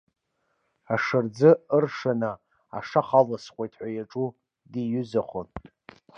Ашырӡ ыршаны ашаха алысхуеит ҳәа иаҿу диҩызахон.